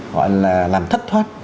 gọi là làm thất thoát